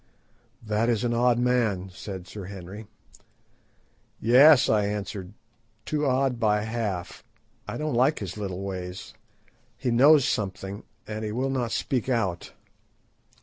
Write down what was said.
"That is an odd man," said Sir Henry. "Yes," answered I, "too odd by half. I don't like his little ways. He knows something, and will not speak out.